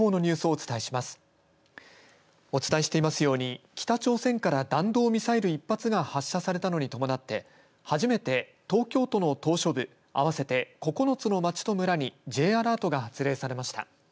お伝えしていますように北朝鮮から弾道ミサイル１発が発射されたのに伴って初めて東京都の島しょ部合わせて９つの町と村にＪアラートが発令されました。